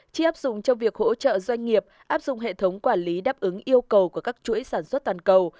chỉ áp dụng cho việc hỗ trợ doanh nghiệp áp dụng hệ thống quản lý đáp ứng yêu cầu của các chuỗi sản xuất toàn cầu